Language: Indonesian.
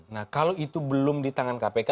nah kalau itu belum di tangan kpk